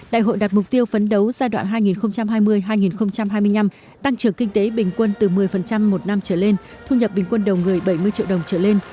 đại hội đạt mục tiêu phấn đấu giai đoạn hai nghìn hai mươi hai nghìn hai mươi năm tăng trưởng kinh tế bình quân từ một mươi một năm trở lên thu nhập bình quân đầu người bảy mươi triệu đồng trở lên